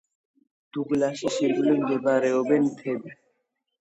დუგლასის ირგვლივ მდებარეობენ მთები.